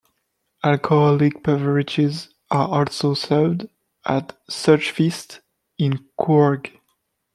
Alcoholic beverages are also served at such feasts in Coorg.